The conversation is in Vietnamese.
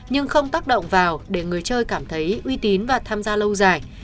nhưng không tác động vào để người chơi cảm thấy uy tín và tham gia lâu dài